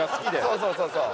そうそうそうそう。